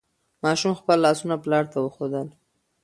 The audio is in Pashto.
ماشوم خپل لاسونه پلار ته وښودل.